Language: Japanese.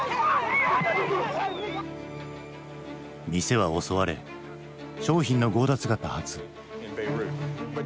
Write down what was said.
店は襲われ商品の強奪が多発。